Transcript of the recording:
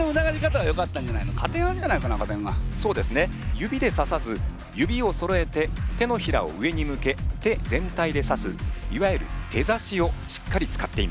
指でささず指をそろえて手のひらを上に向け手全体でさすいわゆる手ざしをしっかり使っています。